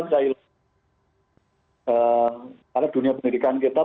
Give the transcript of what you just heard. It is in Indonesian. karena dunia pendidikan kita